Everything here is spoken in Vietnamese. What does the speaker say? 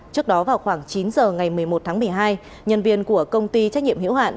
trước đó vào khoảng chín giờ ngày một mươi một tháng một mươi hai nhân viên của công ty trách nhiệm hiểu hạn